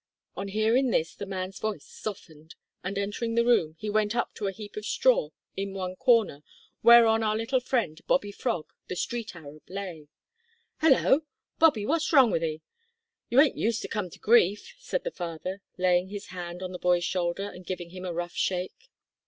On hearing this the man's voice softened, and, entering the room, he went up to a heap of straw in one corner whereon our little friend Bobby Frog the street Arab lay. "Hallo! Bobby, wot's wrong with 'ee? You ain't used to come to grief," said the father, laying his hand on the boy's shoulder, and giving him a rough shake.